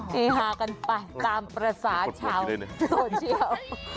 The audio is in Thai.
เฮฮากันไปตามภาษาชาวโซเชียล